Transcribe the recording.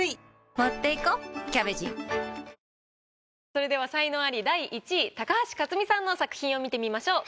それでは才能アリ第１位高橋克実さんの作品を見てみましょう。